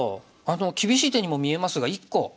厳しい手にも見えますが１個。